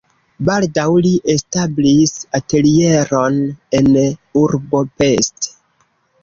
Baldaŭ li establis atelieron en urbo Pest.